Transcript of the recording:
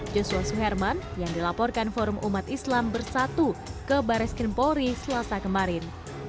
joshua suherman yang dilaporkan forum umat islam bersatu ke baris krimpori selasa kemarin